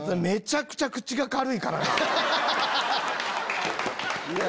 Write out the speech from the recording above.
めちゃくちゃ口が軽いからなぁ。